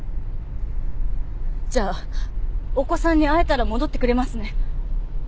じゃあお子さんに会えたら戻ってくれますね？